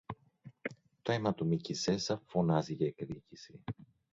Το αίμα του Μίκη Ζέζα φωνάζει για εκδίκηση